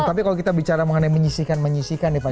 tapi kalau kita bicara mengenai menyisihkan menyisikan nih pak